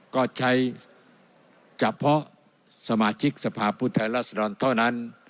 ก็ใช้จัดเพราะสมาชิกสภาพพูดไทยรัศนรรย์เท่านั้น